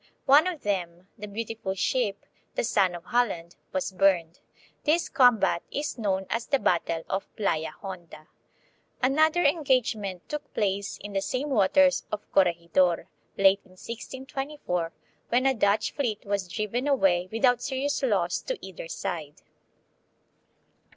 One of them, the beautiful ship, "The Sun of Holland," was burned. This combat is known as the battle of Playa Honda. Another engagement took place in the same waters of Corregidor, late in 1624, when a Dutch fleet was driven away without serious loss to either side.